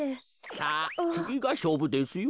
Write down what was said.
さあつぎがしょうぶですよ。